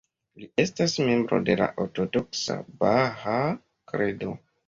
Li estas membro de la ortodoksa Bahaa Kredo.